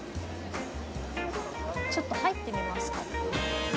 ちょっと入ってみますか。